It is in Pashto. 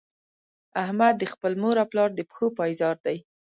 احمد د خپل مور او پلار د پښو پایزار دی.